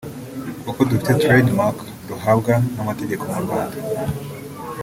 kuko dufite “trademark” duhabwa n’amategeko mu Rwanda